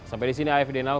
sampai disini afd now